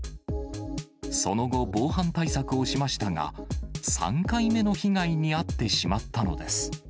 その後、防犯対策をしましたが、３回目の被害に遭ってしまったのです。